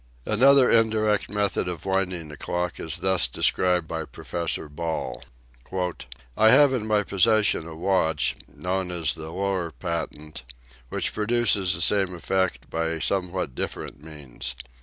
Another indirect method of winding a watch is thus described by Professor Ball: " I have in my possession a watch, known as the Lohr patent, which produces the same effect by somewhat differ ent means.